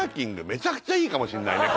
めちゃくちゃいいかもしんないね